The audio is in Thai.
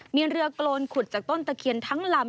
มีเรือโกนขุดจากต้นตะเคียนทั้งลำ